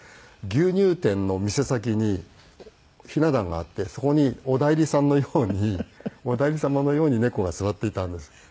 牛乳店の店先に雛壇があってそこにお内裏さんのようにお内裏様のように猫が座っていたんです。